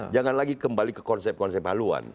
jangan lagi kembali ke konsep konsep haluan